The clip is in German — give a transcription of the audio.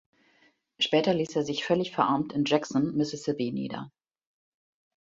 Später ließ er sich völlig verarmt in Jackson, Mississippi nieder.